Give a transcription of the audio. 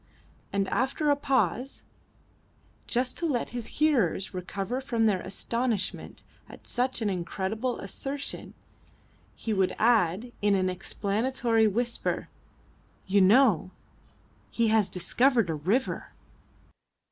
And after a pause just to let his hearers recover from their astonishment at such an incredible assertion he would add in an explanatory whisper, "You know, he has discovered a river."